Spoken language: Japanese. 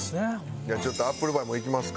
じゃあちょっとアップルパイもいきますか。